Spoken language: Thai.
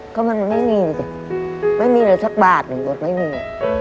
ก็มันไม่มีนะจ๊ะไม่มีเลยสักบาทหมดไม่มี